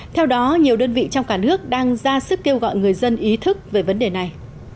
theo đó nhiều đơn vị trong cả nước đang ra sức kêu gọi người dân ý thức về vấn đề này